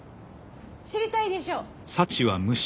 知りたいでしょ？